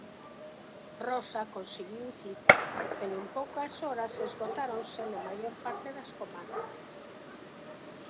Rosa conseguiu cita, pero en poucas horas esgotáronse na maior parte das comarcas.